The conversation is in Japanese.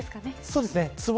そうですね。